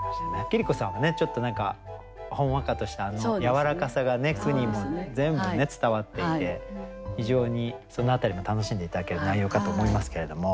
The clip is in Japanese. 桐子さんはちょっと何かほんわかとしたあの柔らかさがね句にも全部伝わっていて非常にその辺りも楽しんで頂ける内容かと思いますけれども。